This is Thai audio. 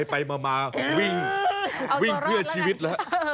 ไปมาวิ่งเพื่อชีวิตแล้ว